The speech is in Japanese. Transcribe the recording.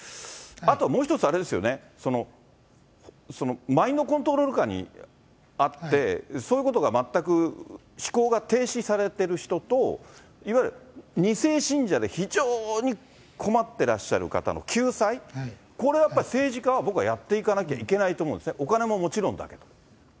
あと、もう一つ、あれですよね、マインドコントロール下にあって、そういうことが全く思考が停止されている人と、いわゆる２世信者で非常に困ってらっしゃる方の救済、これはやっぱり、政治家はやっていかなきゃいけないと思うんですね、お金ももちろんだけど。